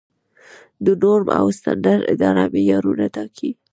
د نورم او سټنډرډ اداره معیارونه ټاکي